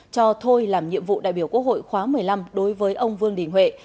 cho thôi làm nhiệm vụ đại biểu quốc hội khóa một mươi năm đối với ông vương đình huệ